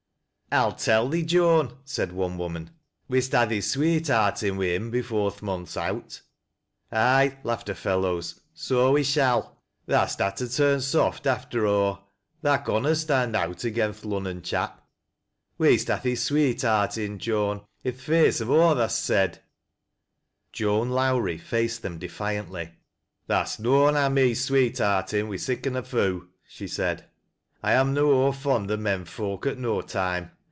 " I'll tell thee, Joan," said one woman, " we'st ha' thee fiweetheartin' wi' him afore th' month's out." " Aye," laughed her fellows, " so we shall. Tha'st ha' to turn soft after aw. Tha conna stond out again' th' Lunnon chap. We'st ha' thee sweetheartin', Joan, i' th' &ice o' aw tha'st said." Joan Lowi ie faced them defiantly :" Tha'st uoan ha' me sweetheartin' wi' siccan a foo','' she said, " I amna ower fond o' men folk at no time.